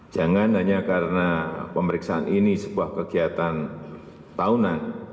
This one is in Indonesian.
jangan hanya karena pemeriksaan ini sebuah kegiatan tahunan